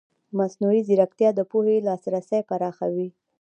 مصنوعي ځیرکتیا د پوهې لاسرسی پراخوي.